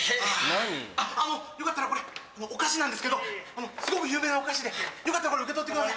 あのよかったらこれお菓子なんですけどすごく有名なお菓子でよかったらこれ受け取ってください。